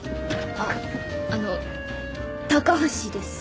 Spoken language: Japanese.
あっあの高橋です。